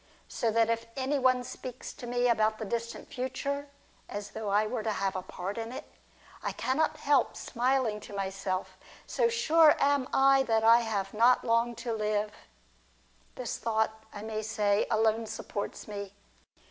So that if any one speaks to me about the distant future, as though I were to have a part in it, I cannot help smiling to myself, so sure am I that I have not long to live. . This thought, I may say, alone supports me.